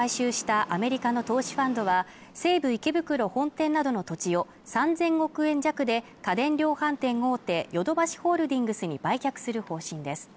そごう・西武を買収したアメリカの投資ファンドは西武池袋本店などの土地を３０００億円弱で家電量販店大手ヨドバシホールディングスに売却する方針です